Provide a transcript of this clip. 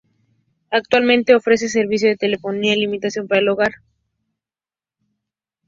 Actualmente, ofrece servicio de telefonía ilimitada para el hogar.